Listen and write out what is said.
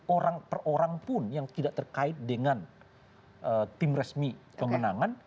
orang per orang pun yang tidak terkait dengan tim resmi pemenangan